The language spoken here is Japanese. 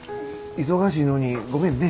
忙しいのにごめんね。